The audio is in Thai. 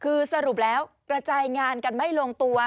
คือสรุปแล้วกระจายงานกันไม่ลงตัว